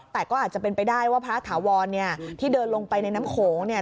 แต่ก็อาจจะเป็นไปได้ว่าพระถาวรเนี่ยที่เดินลงไปในน้ำโขงเนี่ย